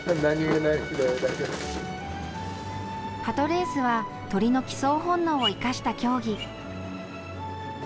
鳩レースは鳥の帰巣本能を生かした競技。